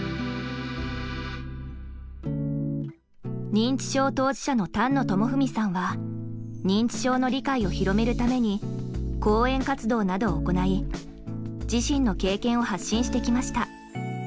認知症当事者の丹野智文さんは認知症の理解を広めるために講演活動などを行い自身の経験を発信してきました。